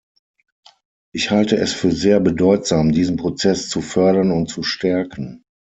Ich halte es für sehr bedeutsam, diesen Prozess zu fördern und zu stärken.